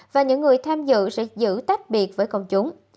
và những người tham dự sẽ giữ tách biệt với công chúng